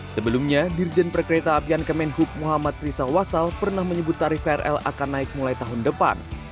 sebelumnya dirjen perkereta apian kemenhub muhammad rizal wasal pernah menyebut tarif krl akan naik mulai tahun depan